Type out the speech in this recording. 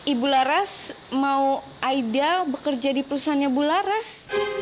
ibu laras mau aida bekerja di perusahaannya bu laras